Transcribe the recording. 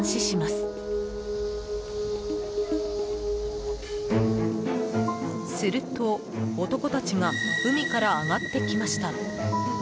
すると、男たちが海から上がってきました。